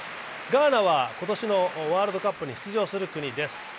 ガーナは今年のワールドカップに出場する国です。